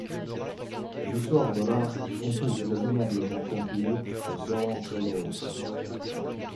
Du sort de l’un on pouvait raisonnablement conclure au sort de l’autre.